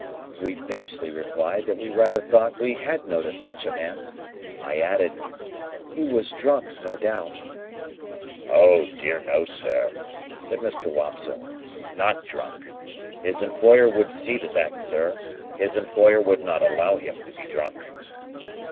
We basely replied that we rather thought we had noticed such a man. I added, "He was drunk, no doubt." "O dear no, sir," said Mr. Wopsle, "not drunk. His employer would see to that, sir. His employer would not allow him to be drunk."